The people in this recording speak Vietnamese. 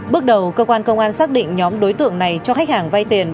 bước đầu cơ quan công an xác định nhóm đối tượng này cho khách hàng vay tiền